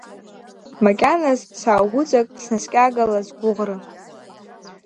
Макьаназ сааугәыҵак, снаскьагала сгәыӷра.